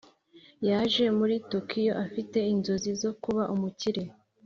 yaje muri tokiyo afite inzozi zo kuba umukire.